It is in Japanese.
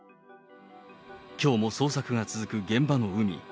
きょうも捜索が続く現場の海。